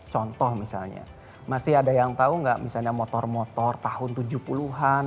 contoh misalnya masih ada yang tahu nggak misalnya motor motor tahun tujuh puluh an